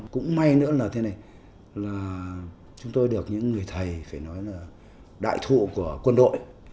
cũng may nữa là thế này là chúng tôi được những người thầy phải nói là đại thụ của quân đội